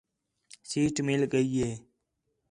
سیٹ مِل ڳئی ہِے